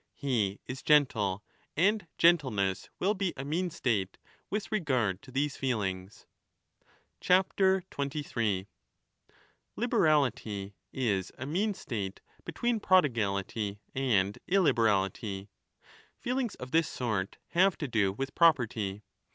He is gentle ; and gentleness will be a mean state with regard to these feelings.^ Liberality is a mean state between prodigality and 23 1192^ illiberality. Feelings of this sort have to do with pro perty.